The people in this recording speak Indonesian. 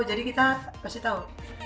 jadi kita kasih tahu